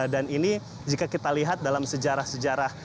ini jika kita lihat dalam sejarah sejarah